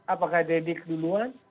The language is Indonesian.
apakah dedek duluan